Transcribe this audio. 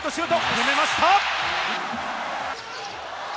決めました。